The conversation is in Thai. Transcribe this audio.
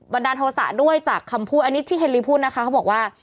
ดาลโทษะด้วยจากคำพูดอันนี้ที่เฮลีพูดนะคะเขาบอกว่า